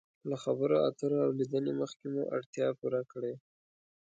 له خبرو اترو او لیدنې مخکې مو اړتیا پوره کړئ.